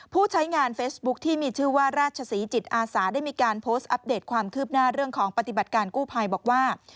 ผู้ใช้งานเฟซบุ๊คที่มีชื่อว่าราชศรีจิตอาสาได้มีการโพสต์อัปเดตความคืบหน้าเรื่องของปฏิบัติการกู้ภัยบอกว่า